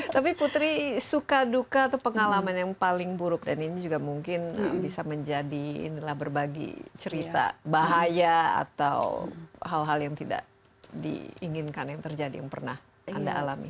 tapi putri suka duka atau pengalaman yang paling buruk dan ini juga mungkin bisa menjadi inilah berbagi cerita bahaya atau hal hal yang tidak diinginkan yang terjadi yang pernah anda alami